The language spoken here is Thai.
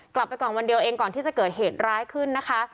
กลับไปก่อนวันเดียวเองก่อนที่จะเกิดเหตุร้ายขึ้นนะคะ